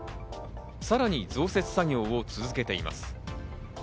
さらに増設作業を続けています。